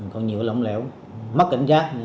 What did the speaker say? còn nhiều lỏng lẽo mất cảnh giác